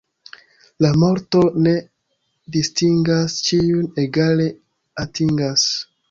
La morto ne distingas, ĉiujn egale atingas.